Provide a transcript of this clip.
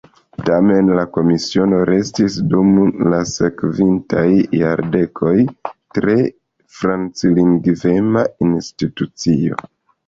Tamen la Komisiono restis dum la sekvintaj jardekoj tre franclingvema institucio.